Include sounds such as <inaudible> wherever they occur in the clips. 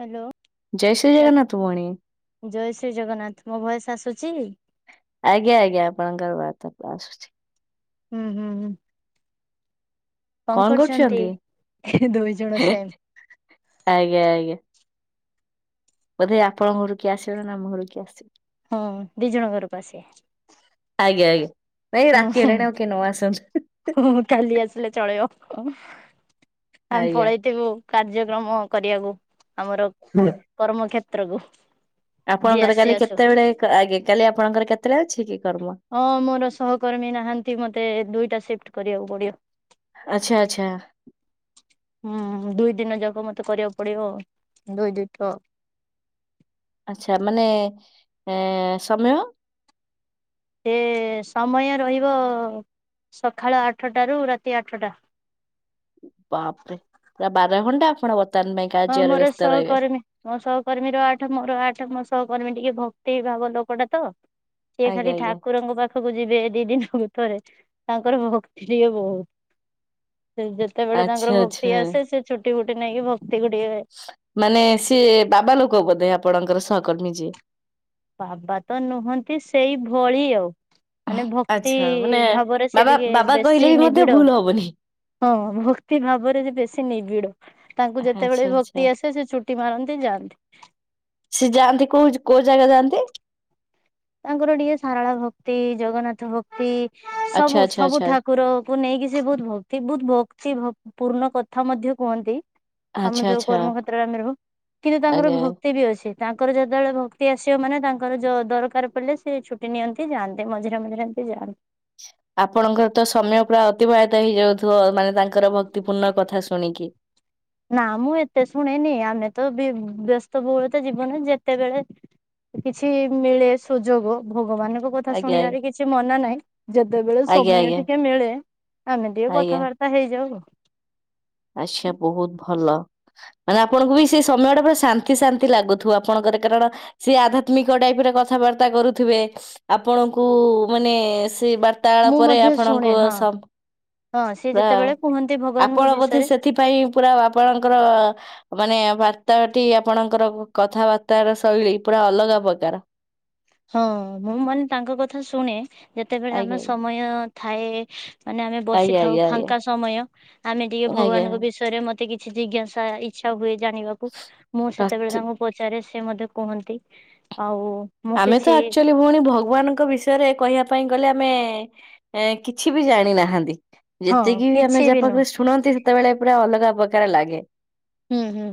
Hello ଜୟ ଶ୍ରୀ ମୋ ଜଗନ୍ନାଥ ଭଉଣୀ ଜୟ ଶ୍ରୀ ଜଗନ୍ନାଥ ମୋ ଭଏସ୍ ଆସୁଚି? ଆଜ୍ଞା ଆଜ୍ଞା ଆପଣଙ୍କର ବାତ୍ ପୁରା ଆସୁଚି। ହୁଁ ହୁଁ ହୁଁ କଣ କରୁଚନ୍ତି ହେଁ ଦୁଇ ଜଣ ସେମ୍ ଆଜ୍ଞା ଆଜ୍ଞା। ବୋଧେ ଆପଣ ଘରୁ କିଏ ଆସିବେ ନାଁ ଆମ ଘରୁ କିଏ ଆସିବେ। ହଁ ଦିଇ ଜଣ ଘରୁକୁ ଆସିବେ। ଆଜ୍ଞା ଆଜ୍ଞା ନାଇଁ ରାତି ହେଲେଣି ଆଉ କିଏ ନଁ ଆସନ୍ତୁ। ହଁ ହଁ କାଲି ଆସିଲେ ଚଳିବ ହଁ ଆମ୍ ଆଜ୍ଞା। ପଳେଇଥିବୁ କାର୍ଯ୍ୟକ୍ରମ କରିବାକୁ ଆମର ଖୁଁ କର୍ମ କ୍ଷେତ୍ରଗୁ ଆପଣଙ୍କର କାଲି କେତେବେଳେ ଆଗେ କାଲି ଆପଣଙ୍କର କେତେବେଳେ ଅଛିକି କର୍ମ? ହଁ ମୋର ସହକର୍ମୀ ନାହାନ୍ତି ମୋତେ ଦୁଇଟା ସିଫ୍ଟ କରିବାକୁ ପଡ଼ିବ। ଆଚ୍ଛା ଆଚ୍ଛା। ହୁଁ ଦୁଇ ଦିନ ଯାକ ମତେ କରିବାକୁ ପଡ଼ିବ ଦୁଇ ଦୁଇଟ ଆଚ୍ଛା ମାନେ ଏଁ ସମୟ ଏ ସମୟ ରହିବ ସଖାଳ ଆଠଟାରୁ ରାତି ଆଠଟା। ବାପରେ ରା ବାର ଘଣ୍ଟା ଆପଣ ବର୍ତ୍ତମାନ ପାଇଁ। ହଁ କାର୍ଯ୍ୟରେ ମୋର ବ୍ୟସ୍ତ ରହିବେ ସହକର୍ମୀ। ମୋ ସହକର୍ମୀ ର ଆଠ ମୋର ଆଠ ମୋ ସହକର୍ମୀ ଟିକେ ଭକ୍ତି ଭାବ ଲୋକଟା ତ ସିଏ ଆଜ୍ଞା ଖାଲି ଆଜ୍ଞା। ଠାକୁରଙ୍କୁ ପା ଖକୁ ଯିବେ ଦି ଦିନକୁ ଥରେ ତାଙ୍କର ଭକ୍ତି ଟିକେ ବୋହୁତ ସେ <unintelligible> ସେତେବେଳେ ଆଚ୍ଛା ତାଙ୍କର ଆଚ୍ଛା ଭକ୍ତି ଆସେ ସେ ଛୁଟି ଫୁଟି ନେଇକି ଭକ୍ତି ଗୁଡ଼ିଏ ସ ମାନେ ସିଏ ବାବା ଲୋକ ବୋଧେ ଆପଣଙ୍କର ସହକର୍ମୀ ଯିଏ। ବାବା ତ ନୁହଁନ୍ତି ସେଇ ଭଳି ଆଉ। ମାନେ ଭକ୍ତି ଆଚ୍ଛା ମାନେ ଭାବରେ ସେ ବାବା ଟିକେ ବାବା କହିଲେ ବେଶୀ ବି ମଧ୍ୟ ନିବିଡ଼। ଭୁଲ ହବନି। ହଁ ହଁ ଭକ୍ତି ଭାବରେ ଯେ ବେଶୀ ନିବିଡ଼ ତାଙ୍କୁ ଯେତେବେଳେ ଆଚ୍ଛା ଆଚ୍ଛା ଭକ୍ତି ଆସେ ସେ ଛୁ ଟି ମାରନ୍ତି ଯାଆନ୍ତି। ସିଏ ଯାଆନ୍ତି କୋଉ ଯ କୋଉ ଜାଗା ଯାଆନ୍ତି? ତାଙ୍କର ଟିକେ ସାରାଳା ଭକ୍ତି ଜଗନ୍ନାଥ ଭକ୍ତି ଆଚ୍ଛା ସବୁ ଆଚ୍ଛା ସବୁ ଆଚ୍ଛା ଠାକୁର ଙ୍କୁ ନେଇକି ସେ ବହୁତ ଭକ୍ତି ବହୁତ ଭକ୍ତି ଭକ ପୂର୍ଣ୍ଣ କଥା ମଧ୍ୟ କୁହନ୍ତି। ଆମେ ଆଚ୍ଛା ଯୋଉ ଆଚ୍ଛା କର୍ମ କ୍ଷେତ୍ରରେ ଆମେ ରୋହୁ କିରେ ତାଙ୍କର ଆଜ୍ଞା। ଭକ୍ତି ବି ଅଛି। ତାଙ୍କର ଯେତେଅଳେ ଭକ୍ତି ଆସିବ ମାନେ ତାଙ୍କର ଯୋ ଦରକାର ପଲେ ସେ ଛୁଟି ନିଅନ୍ତି ଯାଆନ୍ତି ମଝିରେ ମଝିରେ ଏମିତି ଯାଆ ଆପଣଙ୍କର ତ ସମୟ ପୁରା ଅତିବାହିତ ହେଇଯାଉଥୁବ ମାନେ ତାଙ୍କର ଭକ୍ତିପୂର୍ଣ୍ଣ କଥା ଶୁଣିକି। ନାଁ ମୁଁ ଏତେ ଶୁଣେନି। ଆମେ ତ ବ ବ୍ୟସ୍ତ ବହୁଳତା ଜୀବନ ଯେତେବେଳେ କିଛି ମିଳେ ସୁଯୋଗ ଭଗବାନଙ୍କ କଥା ଆଜ୍ଞା ଶୁଣିବାରେ କିଛି ମନା ନାହିଁ ଯେଦେବେଳେ ଆଜ୍ଞା ସମୟ ଆଜ୍ଞା ଟିକେ ମିଳେ ଆମେ ଟିକେ ଆଜ୍ଞା କଥାବା ର୍ତ୍ତା ହେଇଯାଉ ଆଉ। ଆଚ୍ଛା ବହୁତ ଭଲ। ମାନେ ଆପଣଙ୍କୁ ବି ସେ ସମୟ ଟା ପୁରା ଶାନ୍ତି ଶାନ୍ତି ଲାଗୁଥିବ। ଆପଣଙ୍କର କାରଣ ସେ ଆଧ୍ୟାତ୍ମିକ ଟାଇପ ରେ କଥାବାର୍ତ୍ତା କରୁଥିବେ ଆପଣଙ୍କୁ ମାନେ ସେ ବା ର୍ତାଳ ମୁଁ ପରେ ମଧ୍ୟ ଶୁଣେ ଆପଣଙ୍କୁ ହଁ ସାମ ହଁ ସିଏ ଯେତେବେଳେ କୁହନ୍ତି ଭଗବାନଙ୍କ ବିଷୟରେ ଏଥିପାଇଁ ପୁରା ଆପଣଙ୍କର ମାନେ ବାର୍ତ୍ତାଳଟି ଆପଣଙ୍କର କଥାବାର୍ତ୍ତାର ଶୈଳୀ ପୁରା ଅଲଗା ପ୍ରକାର। ହଁ ମୁଁ ମାନେ ତାଙ୍କ କଥା ଶୁଣେ ଯେତେବେଳେ ଆମେ ଆଜ୍ଞା ସମୟ ଥାଏ। ମାନେ ଆମେ ଆଜ୍ଞା ବସିଥାଉ ଆଜ୍ଞା ଆଜ୍ଞା ଫାଙ୍କା ସମୟ ଆମେ ଟିକେ ଆଜ୍ଞା ଭଗବାନଙ୍କ ବିଷ ୟରେ ମତେ କିଛି ଜିଜ୍ଞାସା ଇଚ୍ଛା ହୁଏ ଜାଣିବାକୁ ମୁଁ ସେତେବେଳେ ପ୍ରାର୍ଥ ତାଙ୍କୁ ପଚାରେ ସେ ମଧ୍ୟ କୁହନ୍ତି। ଆଉ ମୁଁ ଆମେ ତ କିଛି ଆକ୍ଚୁଆଲି ଭଉଣୀ ଭଗବାନଙ୍କ ବିଷ ୟରେ କହିବା ପାଇଁ ଗଲେ ଆମେ ଏଁ କିଛି ବି ଜାଣିନାହାଁନ୍ତି। ହଁ ଯେତିକି ବି ଆମେ କିଛି ଯା ନୁହଁ ପାଖରେ ଶୁଣନ୍ତି ସେତେବେଳେ ପୁରା ଅଲଗା ପ୍ରକାର ଲାଗେ। ହୁଁ ହୁଁ।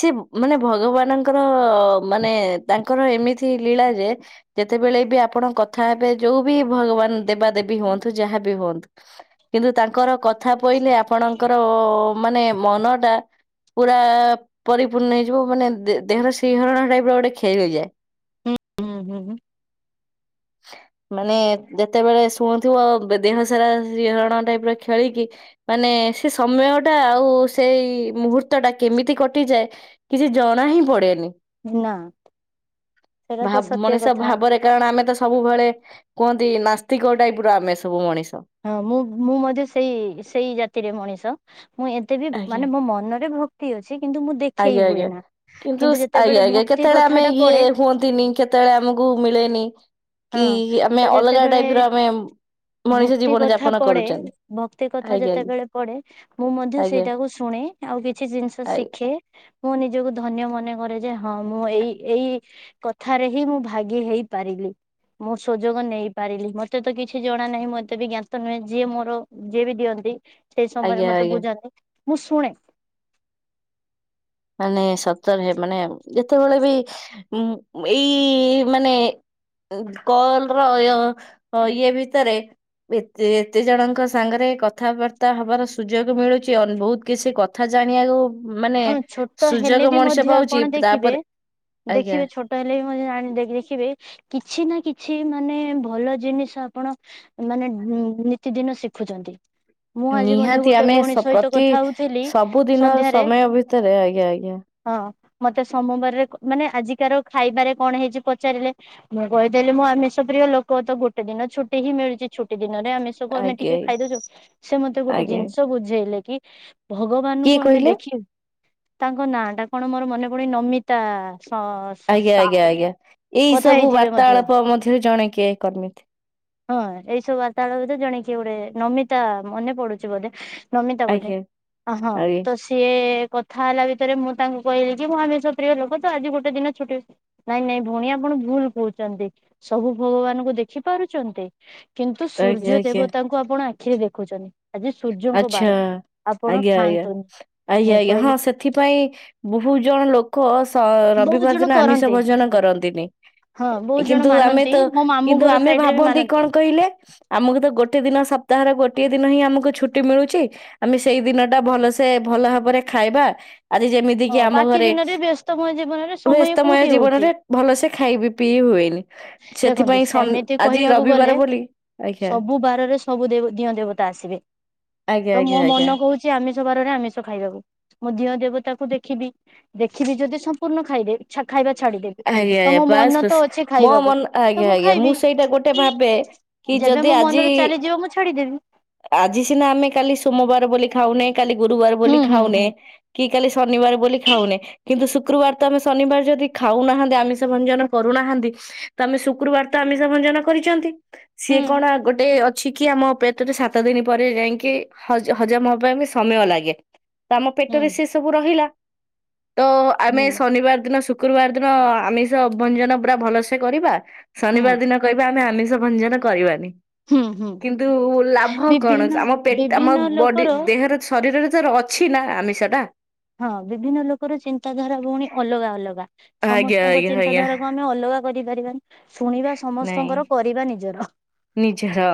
ସିଏ ମାନେ ଭଗବାନଙ୍କର ମାନେ ତାଙ୍କର ଏମିତି ଲୀଳା ଯେ ଯେତେବେଳେ ବି ଆପଣ କଥା ହେବେ ଯୋଉ ବି ଭଗବାନ ଦେବା ଦେବୀ ହୁଅନ୍ତୁ ଯାହା ବି ହୁଅନ୍ତୁ। କିନ୍ତୁ ତାଙ୍କର କଥା ପଇଲେ ଆପଣଙ୍କର ମାନେ ମନ ଟା ପୁରା ପରିପୂର୍ଣ୍ଣ ହେଇଯିବ ମାନେ ଦେ ଦେହର ସିହରଣ ଟାଇପ ର ଗୋଟେ ଖେଳିଇଯାଏ। ହୁଁ ହୁଁ ହୁଁଁ। ମାନେ ଯେତେବେଳେ ଶୁଣୁଥିବ ଦେହ ସାରା ସିହରଣ ଟାଇପର ଖେଳିକି ମାନେ ସେ ସମୟ ଟା ଆଉ ସେଇ ମୁହୂର୍ତ୍ତ ଟା କେମିତି କଟିଯାଏ କିଛି ଜଣା ହିଁ ପଡେନି। ନା। ସେଇଟା ତ ଭାବ୍ ସତ୍ୟ ମଣିଷ କଥା ଭାବରେ କାରଣ ଆମେ ତ ସବୁବେଳେ କୁହନ୍ତି ନାସ୍ତିକ ଟାଇପ୍ ର ଆମେ ସବୁ ମଣିଷ। ହଁ ମୁଁ ମୁଁ ମଧ୍ୟ ସେଇ ସେଇ ଜାତିରେ ମଣିଷ ମୁଁ ଏ ତେ ବି ଆଜ୍ଞା। ମାନେ ମୋ ମନରେ ଭକ୍ତି ଅଛି କିନ୍ତୁ ମୁଁ ଦେଖେଇ ଆଜ୍ଞା ହୁଏ ଆଜ୍ଞା ନା କିନ୍ତୁ ଶ୍ ଯେତେବେଳେ ଆଜ୍ଞା ଆଜ୍ଞା ଭକ୍ତି କେତେବେଳେ କଥା ଆମେ ଟା ଇଏ ପଡେ ହୁଅନ୍ତିନି କେ ତେବେଳେ ଆମକୁ ମିଳେନି ହଁ କି ଆମେ ତ ଅଲଗା ଯେତେବେଳେ ଟାଇପ୍ ର ଆମେ ମଣିଷ ଭକ୍ତି ଜୀବନ କଥା ଯାପନ ପଡ଼େ କରୁଛନ୍ତି ଭକ୍ତି କଥା ଆଜ୍ଞା ଯେତେବେଳେ ପଡ଼େ ମୁଁ ମଧ୍ୟ ଆଜ୍ଞା ଆଜ୍ଞା ସେଇଟାକୁ ଶୁଣେ। ଆଉ କିଛି ଜିନିଷ ଆଜ୍ଞା ଶିଖେ ମୁଁ ନିଜକୁ ଧନ୍ୟ ମନେ ମନେକରେ ଯେ ହଁ ମୁଁ ଏଇ ଏଇ କଥାରେ ହିଁ ମୁଁ ଭାଗି ହେଇ ପାରିବି। ମୁଁ ସୁଯୋଗ ନେଇପାରିଲି ମତେ ତ କିଛି ଜଣା ନାହିଁ ମୋ ଏତେ ବି ଜ୍ଞାତ ନୁହେଁ ଯିଏ ମୋର ଯିଏ ବି ଦିଅନ୍ତି ସେଇ ସମୟରେ ଆଜ୍ଞା ମତେ ଆଜ୍ଞା। ବୁଝାନ୍ତି ମୁଁ ଶୁଣେ ମାନେ ସତରେ ମାନେ ଯେତେବେଳେ ବି ଉଁ ଏଇ ମାନେ ଉଁ କଲ୍ ର ଅୟ ଇଏ ଭିତରେ ଏତେ ଏତେ ଜଣଙ୍କ ସାଙ୍ଗରେ କଥାବାର୍ତ୍ତା ହବାର ସୁଯୋଗ ମିଳୁଛି ଆହୁରି ବହୁତ କିଛି କ କଥା ଜାଣିବାକୁ ମାନେ ତ ହେଲେ ସୁଯୋଗ ବି ମଣିଷ ମଧ୍ୟ ପାଉଛି ଆପଣ ଦେଖିବେ ତାପରେ ଆଜ୍ଞା ଦେଖିବେ ଛୋଟ ହେଲେ ବି ମଧ୍ୟ ଜାଣ ଦେଖିବେ କିଛି ନା କିଛି ମାନେ ଭଲ ଜିନିଷ ଆପଣ ମାନେ ଉଁ ନିତିଦିନ ଶିଖୁଛନ୍ତି। ମୁଁ ଆଜି ମଧ୍ୟ ନିହାତି ଗୋଟେ ଆମେ ଭଉଣୀ ସ ସହିତ ପ୍ରତି କଥା ହଉଥିଲି ସବୁଦିନ ସନ୍ଧ୍ୟାରେ ସମୟ ଭିତରେ ଆଜ୍ଞା ଆଜ୍ଞା। ହଁ ମତେ ସୋମବାରରେ ମାନେ ଆଜିକାର ଖାଇବାରେ କଣ ହେଇଛି ପଚାରିଲେ ମୁଁ କହିଦେଲି ମୁଁ ଆମିଷ ପ୍ରିୟ ଲୋକ ତ ଗୋଟେ ଦିନ ଛୁଟି ହିଁ ମିଳୁଛି ଛୁଟି ଦିନରେ ଆମିଷ କୁ ଆମେ ଆଜ୍ଞା ଟିକେ ଖାଇଦଉଛୁ ସେ ମତେ ଗୋଟେ ଆଜ୍ଞା ଜିନିଷ ବୁଝେଇଲେ କି କିଏ ଭଗବାନଙ୍କୁ ଆମେ କହିଲେ ଦେଖିବୁ ତାଙ୍କ ନାଁ ଟା କଣ ମୋର ମନେ ପଡୁନି ନମିତା ସ ଆଜ୍ଞା ସାହୁ ଆଜ୍ଞା ଆଜ୍ଞା ଏଇ କଥା ସବୁ ହେଇଥିବେ ମଧ୍ୟ ବାର୍ତ୍ତାଳାପ ମଧ୍ୟରେ ଜଣେ କିଏ କର୍ମି ଥିବେ। ହଁ ଏଇ ସବୁ ବାର୍ତ୍ତାଳୟ ଭିତରୁ ଜଣେ କିଏ ଗୋଟେ ନମିତା ମନେ ପଡୁଛି ବୋଧେ ନମିତା ବୋଧେ ଆଜ୍ଞା ଅ ହଁ ଆଜ୍ଞା ତ ସିଏ କ ଥା ହେଲା ଭିତରେ ମୁଁ ତାଙ୍କୁ କହିଲି କି ମୁଁ ଆମିଷ ପ୍ରିୟ ଲୋକ ତ ଆଜି ଗୋଟେ ଦିନ ଛୁଟିଅଛି ନାଇଁ ନାଇଁ ଭଉଣୀ ଆପଣ ଭୁଲ୍ କହୁଚନ୍ତି ସବୁ ଭଗବାନଙ୍କୁ ଦେଖି ପାରୁଚନ୍ତି? କିନ୍ତୁ ଆଜ୍ଞା ସୂର୍ଯ୍ୟ ଆଜ୍ଞା ଦେବତାଙ୍କୁ ଆପଣ ଆଖିରେ ଦେଖୁଛନ୍ତି। ଆଜି ସୂର୍ଯ୍ୟଙ୍କ ଆଚ୍ଛା ବାର ଆପଣ ଆଜ୍ଞା ଆଜ୍ଞା ଖାଆନ୍ତୁନି। ଆଜ୍ଞା ମୁଁ ଆଜ୍ଞା ହଁ କହିଲି ସେଥିପାଇଁ ବହୁତ ଜଣ ଲୋକ ସ ବହୁତ ରବିବାର ଜଣ ଦିନ ଆମିଷ କରନ୍ତି ଭୋଜନ କରନ୍ତି ନ୍ତିନି ହଁ ବହୁତ ଜଣ କିନ୍ତୁ ଆମେ ମାନନ୍ତି ତ ମୋ ମାମୁଁ କିନ୍ତୁ ଘର ଆମେ ସାଇଡ ରେ ବି ଭାବନ୍ତି ମାନନ୍ତି କଣ କହିଲେ? ଆମକୁ ତ ଗୋଟେ ଦିନ ସପ୍ତାହର ଗୋଟେ ଦିନ ହିଁ ଆମକୁ ଛୁଟି ଛୁଟି ମିଳୁଛି ଆମେ ସେଇ ଦିନ ଟା ଭଲସେ ଭଲ ଭାବରେ ଖାଇବା। ଆଜି ଯେମିତି କିି ହଁ ଆମ ବାକି ଘରେ ଦିନରେ ବ୍ୟସ୍ତମୟ ଜୀବନରେ ସମୟ ବ୍ୟସ୍ତମୟ କୋଉଠି ହଉଛି ଜୀବନରେ ଭଲସେ ଖାଇବି ପିଇ ହୁଏନି। ଦେଖନ୍ତୁ ସେଥିପାଇଁ ସନ୍ ସେମିତି ଆଜି କହିବାକୁ ଗଲେ ରବିବାର ବୋଲି ଆଜ୍ଞା। ସବୁ ବାରରେ ସବୁ ଦେ ଦିଅଁ ଦେବତା ଆସିବେ ଆଜ୍ଞା ତ ଆଜ୍ଞା ମୋ ଆଜ୍ଞା। ମନ କହୁଛି ଛି ଆମିଷ ବାରରେ ଆମିଷ ଖାଇବାକୁ ମୁଁ ଦିଅଁ ଦେବତାକୁ ଦେଖିବି ଦେଖିବି ଯଦି ସମ୍ପୂର୍ଣ୍ଣ ଖାଇଦେବୀ ଛା ଖାଇବା ଛାଡିଦେବି ଆଜ୍ଞା ତ ଆଜ୍ଞା ମୋ ବାସ୍ ମନ ବାସ୍। ତ ଅଛି ମୋ ଖାଇବାକୁ ମନ ତ ଆଜ୍ଞା, ଆଜ୍ଞା, ମୁଁ ଖାଇବି ସେଇଟା ଗୋଟେ ଭାବେ କି ଯେବେ ଯଦି ମୋ ଆଜି ମନରୁ ଚାଲିଯିବ ମୁଁ ଛାଡିଦେବି ଆଜି ସିନା ଆମେ କାଲି ସୋମବାର ବୋଲି ଖାଉନେ, କାଲି ଗୁରୁବାର ହୁଁ ବୋଲି ହୁଁ ଖାଉନେ ହୁଁ କି କାଲି ଶନିବାର ବୋଲି ଖାଉନେ କିନ୍ତୁ ଶୁକ୍ରବାର ତ ଆମେ ଶନିବାର ଯଦି ଖାଉନାହାନ୍ତି ଆମିଷ ଭଞ୍ଜନ କରୁନାହାନ୍ତି, ତ ଆମେ ଶୁକ୍ରବାର ତ ଆମିଷ ଭଞ୍ଜନ କରିଛନ୍ତି। ସିଏ କଣ ଗୋଟେ ଅଛି କି! ଆମ ପେଟରେ ସାତ ଦିନ ପରେ ଯାଇକି ହଜ ହଜମ ପାଇଁ ବି ସମୟ ଲାଗେ। ଆମ ହୁଁ ପେଟରେ ସେ ସବୁ ରହିଲା ତ ଆମେ ହୁଁ ହୁଁ ଶନିବାର ଦିନ ଶୁ ଶୁକ୍ରବାର ଦିନ ଆମିଷ ଭ୍ଞ୍ଜନ ପୁରା ଭଲସେ କରିବା, ହୁଁ ଶନିବାର ଦିନ କହିବା ଆମେ ଆମିଷ ଭଞ୍ଜନ କରିବାନି। ହୁଁ ହୁଁ କିନ୍ତୁ ଲାଭ କଣ? ବିଭିନ୍ନ ଆମ ପେଟ ଆମ ବିଭିନ୍ନ ବଡି ଲୋକର ଦେହରେ ଶରୀରରେ ତାର ଅଛି ନା ଆମିଷ ଟା ହଁ ବିଭିନ୍ନ ଲୋକର ଚିନ୍ତାଧାରା ଭଉଣୀ ଅଲଗା ଅଲଗା, ଆଜ୍ଞା ସମସ୍ତଙ୍କ ଆଜ୍ଞା ଆଜ୍ଞା ଚିନ୍ତାଧାରା କଣ ଆମେ ଅଲଗା କରିପାରିବାନି, ଶୁଣିବା ନାଇଁ। ସମସ୍ତଙ୍କର କରିବା ନିଜର ନିଜର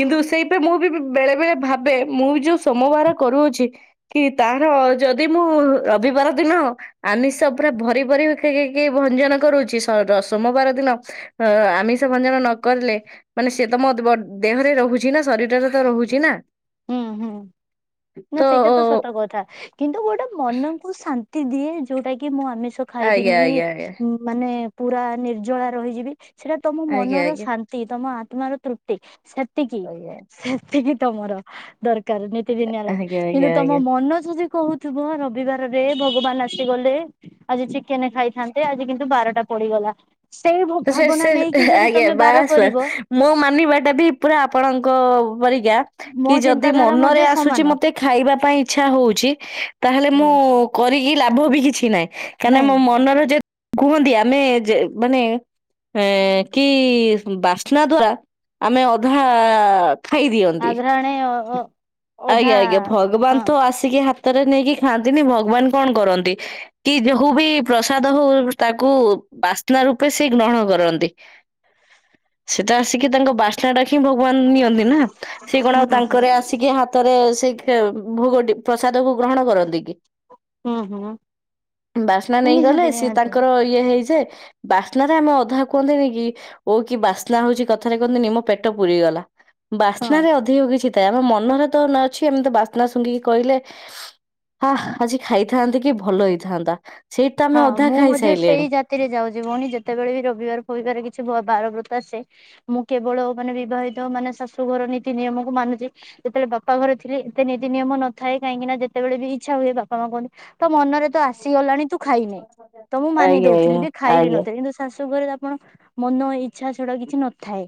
କିନ୍ତୁ ସେଇପା ମୁଁ ବି ବେଳେ ବେଳେ ଭାବେ, ମୁଁ ବି ଯୋଉ ସୋମବାର କରୁଅଛି କି ତାର ଯଦି ମୁଁ ରବିବାର ଦିନ ଆମିଷ ପୁରା ଭରି ଭରି କି ଭଞ୍ଜନ କରୁଛି ସୋମବାର ଦିନ ଅ ଆମିଷ ଭଞ୍ଜନ ନ କରିଲେ ମାନେ ସେ ତ ମ ଦେହରେ ରହୁଛି, ନା ଶରୀରରେ ତ ରହୁଛି ନା ହୁଁ, ହୁଁ ନା ସେଇଟା ତ ସତ କଥା। କିନ୍ତୁ ଗୋଟେ ମନକୁ ଶାନ୍ତି ଦିଏ, ଯୋଉଟା କି ମୁଁ ଆମିଷ ଆଜ୍ଞା ଖାଇବିନି ଆଜ୍ଞା ଆଜ୍ଞା ମାନେ ପୁରା ନିର୍ଜଳା ରହିଯିବି, ସେଟା ତମ ଆଜ୍ଞା ମନର ଆଜ୍ଞା ଶାନ୍ତି, ତମ ଆତ୍ମାର ତୃପ୍ତି ସେତିକି ସେତିକି ତମର ଦରକ କାର, ନୀତି ଦିନିଆ ଲାଇଫ ଆଜ୍ଞା ଆଜ୍ଞା କିନ୍ତୁ ଆଜ୍ଞା ତମ ଆଜ୍ଞା। ମନ ଯଦି କହୁ ଥିବ ରବିବାରରେ ଭଗବାନ ଆସିଗଲେ ଆଜି ଚିକେନ ଖାଇଥାନ୍ତେ, ଆଜି କିନ୍ତୁ ବାରଟା ପଡିଗଲା। ସେଇ ସେ ସେ ଭାବନା ନେଇକି ଯଦି ଆଜ୍ଞା ତମେ ବାର ବାସ ବାସ, କରିବ ମୋ ମାନିବା ଟା ବି ପୁରା ଆପଣଙ୍କ ପରି। <unintelligible> ମୋ କି ଯଦି ଚିନ୍ତାଧାରା ମନରେ ମଧ୍ୟ ଆସୁଛି ସମାନ ମତେ ଖାଇବା ପାଇଁ ଇଚ୍ଛା ହଉଛି ତାହେଲେ ମୁଁ ହୁଁ କରିକି ଲାଭ ବି କିଛି ନାହିଁ? କାହିଁକି ନା ନାଇଁ ମୋ ମନର ଯେ କୁହନ୍ତି ଆମେ ଯେ ମାନେ ଏ କି ବାସ୍ନା ଦ୍ଵାରା ଆମେ ଅଧା ଖାଇଦିଅନ୍ତି ଆଘ୍ରାଣେ ଅ ଅଧା ଆଜ୍ଞା, ଆଜ୍ଞା ଭଗବାନ ହଁ। ତ ଆସିକି ହାତରେ ନେଇକି ଖାଆନ୍ତି ନି, ଭଗବାନ କଣ କରନ୍ତି? କି <unintelligible> ବି ପ୍ରସାଦ ହଉ ତାକୁ ବାସ୍ନା ରୂପେ ସେ ଗ୍ରହଣ କରନ୍ତି, ସେଟା ଆସିକି ତାଙ୍କ ବା ଚାଡାଖି ଭଗବାନ ନିଅନ୍ତି ନା ସେ କଣ ହୁଁ ଆଉ ହୁଁ। ତାଙ୍କର ଆସି ଟିକେ ହାତରେ ସେଇ ଖେ ଭୋଗଟି ପ୍ରସାଦକୁ ଗ୍ରହଣ କରନ୍ତି କି ହୁଁ ହୁଁ ବାସ୍ନା ନେଇଗଲେ ନିହାତି ସିଏ ନିହାତି ତାଙ୍କର ଇଏ ହେଇଯାଏ ବାସ୍ନାରେ ଆମେ ଅଧା କୁହନ୍ତିନିକି, ଓ କି ବାସ୍ନା ହଉଛି କଥାରେ କହନ୍ତିନି ମୋ ପେଟ ପୁରିଗଲା। ହଁ। ବାସ୍ନାରେ ଅଧିକ କିଛି ଥାଏ ଆମ ମନରେ ତ ଅଛି ଏମିତି ବାସ୍ନା ଶୁଙ୍ଘିକି କହିଲେ ଆଃ ଆଜି ଖାଇଥାନ୍ତେ କି ଭଲ ହେଇଥାନ୍ତା ସେଇଠି ତ ଆମେ ଅଧା ଖାଇସାଇଲେଣି। ରାତିରେ ଯାଉଛି ଭଉଣୀ ଯେତେବେଳେ ବି ରବିବାର ଫବିବାର କିଛି ବାର ବ୍ରତ ଆସେ ମୁଁ କେବଳ ମାନେ ବିବାହିତ ମାନେ ଶାଶୁଘର ନୀତି ନିୟମକୁ ମାନୁଚି। ଯେତେବେଳେ ବାପା ଘରେ ଥିଲେ ଏତେ ନିତି ନିୟମ ନଥାଏ! କାହିଁକି ନା ଯେତେବେଳେ ବି ଇଚ୍ଛା ହୁଏ, ବାପା ମା କୁହନ୍ତି ତୋ ମନରେ ତ ଆସିଗଲାଣି ତୁ ଖାଇନେ, ତ ମୁଁ ମାନି ଆଜ୍ଞା ଦଉଥିଲି ଆଜ୍ଞା ବି ଖାଇବି ଆଜ୍ଞା ନଥିଲି। କିନ୍ତୁ ଶାଶୁ ଘରେ ଆପଣ ମନ ଇଚ୍ଛା ସେଟା କିଛି ନଥାଏ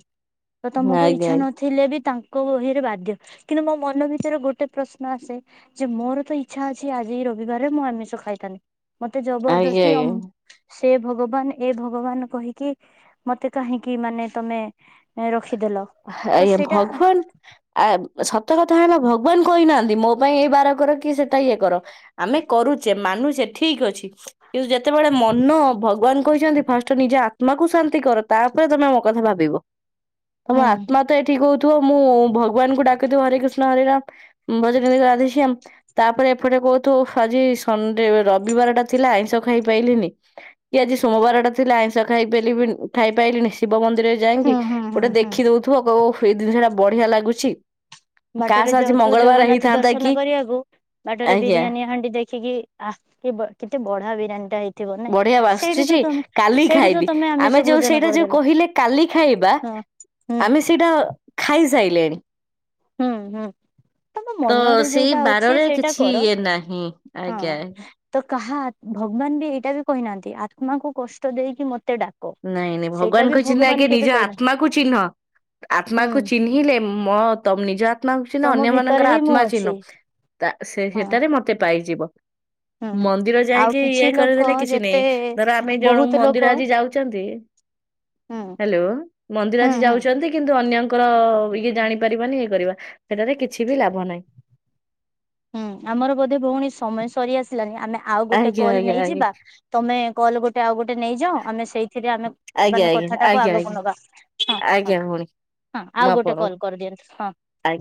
ତମକୁ ଆଜ୍ଞା ଇଛା ନ। ଥିଲେ ବି ତାଙ୍କ ବହିରେ ବାଧ୍ୟ କିନ୍ତୁ ମୋ ମନ ଭିତରେ ଗୋଟେ ପ୍ରଶ୍ନ ଆସେ। ଯେ ମୋର ତ ଇଚ୍ଛା ଅଛି ଆଜି ରବିବାରରେ ମୁଁ ଆମିଷ ଖାଇଥାନ୍ତି ମତେ ଆଜ୍ଞା ଜବରଦସ୍ତି ଆଜ୍ଞା। ଅ। ସେ ଭଗବାନ ଏ ଭଗବାନ କହିକି। ମତେ କାହିଁକି ମାନେ ତମେ ରଖିଦେଲ। ତ ଆଜ୍ଞା ସେଇଟା ଭଗବାନ ଆ ସତ କଥା ହେଲା ଭଗବାନ କହିନାହାନ୍ତି। ଯେ ମୋ ପାଇଁ ଏଇ ବାର କର କି ସେଟା ଇଏ କର ଆମେ କରୁଛେ ମାନୁଛେ ଠିକ ଅଛି। କିନ୍ତୁ ଯେତେବେଳେ ମନ ଭଗବାନ କହିଛନ୍ତି ଫାଷ୍ଟେ ନିଜ ଆତ୍ମାକୁ ଶାନ୍ତି କର ତାପରେ ତମେ ଆମ କଥା ଭାବିବ। ତମ ହୁଁ ଆତ୍ମା ତ ଏଠି କହୁଥିବ ମୁଁ ଭଗବାନଙ୍କୁ ଡାକିଥିବ ହରେ କୃଷ୍ଣ ହରେରାମ। ଭଜ ନିତାଇ ରାଧେ ଶ୍ୟାମ। ତାପରେ ଏପଟେ କହୁଥୁ ଆଜି ସଣ୍ଡେ ରବିବାର ଟା ଥିଲା ଆଇଁଷ ଖାଇପାଇଲିନି। କି ଆଜି ସୋମବାର ଟା ଥିଲା ଆଇଁଷ ଖାଇ ପାରିବିନି ଖାଇ ପାଇଲିନି ଶିବ ମନ୍ଦିର। ଯାଇକି ଗୋଟେ ଦେଖିଦଉଥିବ କହିବ ଓହୋ ଏ ଜିନିଷ ଟା ବଢିଆ ଲାଗୁଛି। ବାଟରେ କାସ୍ ଆଜି ଯାଉଥୁବ ମଙ୍ଗଳବାର ଜଗନ୍ନାଥ ହେଇଥାନ୍ତା ଦର୍ଶନ କି କରିବାକୁ ବାଟରେ ଆଜ୍ଞା ବିରିୟାନୀ ହାଣ୍ଡି ଦେଖିକି। ଆହା କି ବ କେତେ ବଢ଼ିଆ ବିରିୟାନୀ ଟା ହେଇଛି। ବଢିଆ ବାସୁଛି କାଲି ସେଇଠି ତ ଖାଇବି ତମେ ଆମେ ଆମିଷ ଯୋଉ ଭୋଜନ ସେଇଟା ଯୋଉ କରିଦେଲ କହିଲେ କାଲି ଖାଇବା। ହଁ ହୁଁ ଆମେ ସେଇଟା ଖାଇସାଇଲେଣି। ହୁଁ, ହୁଁ। ତମ ତ ମନରେ ସେଇ ଯୋଉଟା ଅଛି ବାରରେ ସେଇଟା କିଛି କର ଇଏ ନାହିଁ ଆଜ୍ଞା ହଁ। ତ କାହା ଭଗବାନ ବି ଏଇଟା ବି କହିନାହାନ୍ତି ଆତ୍ମାଙ୍କୁ କଷ୍ଟ ଦେଇକି ମତେ ଡା। ନାଇଁ, ନାଇଁ ଭଗବାନ କହିଛନ୍ତି ଆଗେ ନିଜ କହିନାହାନ୍ତି ଆତ୍ମା କୁ ଚିହ୍ନ ଆତ୍ମାକୁ ହୁଁ ଚିହ୍ନିଲେ। ମଁ ତମ ନିଜା। ମାଉଁ ସିନା ତମ ଅନ୍ୟ ଭିତରେ ମାନଙ୍କର ହିଁ ମୁଁ ଆତ୍ମା ଚିହ୍ନୁ ଅଛି ତା ସେ ହଁ ହେଟାରେ ମତେ ପାଇଯିବ। ହୁଁ। ମନ୍ଦିର ଆଉ ଯାଇକି କିଛି ଇଏ ଲୋକ କରିଦେଲେ କିଛି ନେଇଁ ଯେତେ ଧର ଆମେ ଜଣକୁ ବହୁତ ଲୋକ ମନ୍ଦିର ଆଜି ଯାଉଛୁ। କିଏ ହୁଁ ହ୍ୟାଲୋ ମନ୍ଦିର ହୁଁ ଆଜି ହୁଁ। ଯାଉଛ। ଅଛନ୍ତି କିନ୍ତୁ ଅନ୍ୟଙ୍କର ଇଏ ଜାଣିପାରିବାନି ଇଏ କରିବା ସେଠାରେ କିଛି ବି ଲାଭ ନାହିଁ। ହୁଁ ଆମର ବୋଧେ ଭଉଣୀ ସମୟ ସରିଆସି। ହେଲାକି ଆମେ ଆଉ ଗୋଟେ ଆଜ୍ଞା କଲ୍ ଆଜ୍ଞା ଆଜ୍ଞା ନେଇଯିବା ତମେ କଲ୍ ଗୋଟେ ଆଉ ଗୋଟେ ନେଇଯାଅ ଆମେ ସେଇଥିରେ ଆମେ। ଆଜ୍ଞା, ମାନେ କଥାଟାକୁ ଆଜ୍ଞା, ଆଜ୍ଞା, ଆଗକୁ ଆଜ୍ଞା, ନବା ହଁ ହଁ ଆଜ୍ଞା ଭଉଣି। ହଁ ଆଉ ଗୋଟେ କଲ୍ କରିଦିଅନ୍ତୁ ହଁ। ଆ।